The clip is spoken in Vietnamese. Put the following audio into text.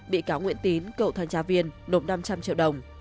bị cáo nguyễn tín cựu thanh tra viên nộp năm trăm linh triệu đồng